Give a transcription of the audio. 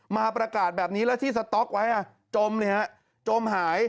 มาประกาศแบบนี้แล้วที่สต๊อกไว้จมเลยจมหาย